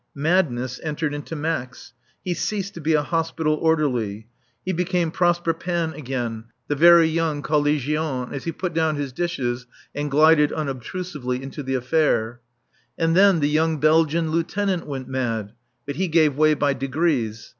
Madness entered into Max. He ceased to be a hospital orderly. He became Prosper Panne again, the very young collégien, as he put down his dishes and glided unobtrusively into the affair. And then the young Belgian Lieutenant went mad. But he gave way by degrees.